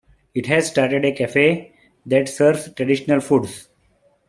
It has started a cafe that serves traditional foods.